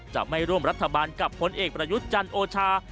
จะไม่ร่วมรัฐบาลกับคนเอกประยุจจันโอชา